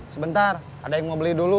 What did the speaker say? sebentar ada yang mau beli dulu